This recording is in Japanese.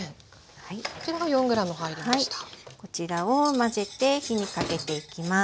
こちらを混ぜて火にかけていきます。